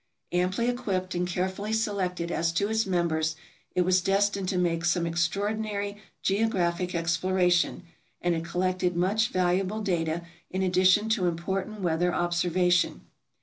Amply equipped and care fully selected as to its members, it was destined to make some extraordinary geographic exploration, and it collected much valuable data in addition to important weather observation.